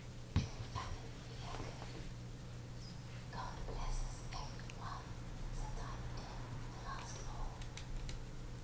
Which all the family re echoed. "God bless us every one!" said Tiny Tim, the last of all.